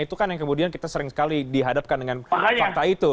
itu kan yang kemudian kita sering sekali dihadapkan dengan fakta itu